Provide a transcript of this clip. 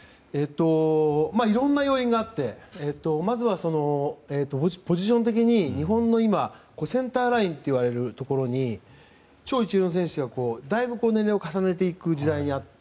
いろんな要因があってまずは、ポジション的に日本のセンターラインといわれるところに超一流の選手がだいぶ年齢を重ねていく時代になって。